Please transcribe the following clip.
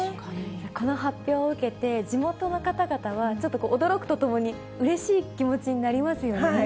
この発表を受けて、地元の方々はちょっと驚くとともに、うれしい気持ちになりますよね。